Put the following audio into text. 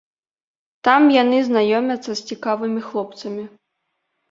Там яны знаёмяцца з цікавымі хлопцамі.